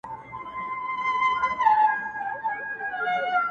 • زماد قام یې دی لیکلی د مېچن پر پله نصیب دی ,